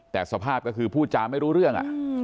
แต่สภาพก็คือพูดจาไม่รู้เรื่อง